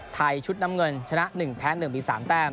ชุดน้ำเงินชนะ๑แพ้๑มี๓แต้ม